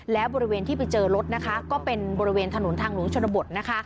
และบริเวณที่ไปเจอรถนะคะก็เป็นบริเวณถนนทางหลวงชนบทนะคะ